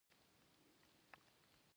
خپل حقوق په آزاده توګه ساتي.